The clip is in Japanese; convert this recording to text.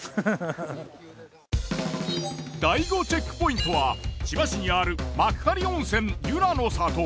第５チェックポイントは千葉市にある幕張温泉湯楽の里。